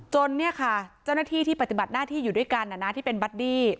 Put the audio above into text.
เนี่ยค่ะเจ้าหน้าที่ที่ปฏิบัติหน้าที่อยู่ด้วยกันที่เป็นบัดดี้